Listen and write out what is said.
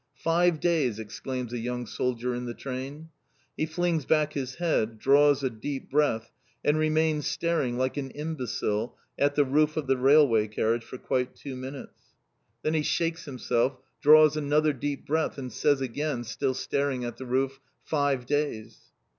"Five days!" exclaims a young soldier in the train. He flings back his head, draws a deep breath, and remains staring like an imbecile at the roof of the railway carriage for quite two minutes. Then he shakes himself, draws another deep breath, and says again, still staring at the roof: "Five days!"